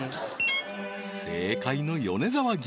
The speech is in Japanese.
正解の米沢牛